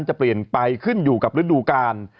จะเปลี่ยนไปขึ้นอยู่กับฤดูกาล